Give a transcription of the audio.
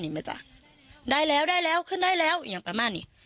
ไหมจ๊ะได้แล้วได้แล้วขึ้นได้แล้วอย่างประมาณนี้